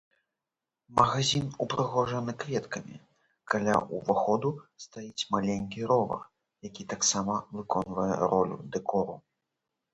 Магазін упрыгожаны кветкамі, каля ўваходу стаіць маленькі ровар, які таксама выконвае ролю дэкору.